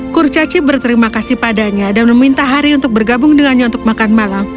kurcaci berterima kasih padanya dan meminta hari untuk bergabung dengannya untuk makan malam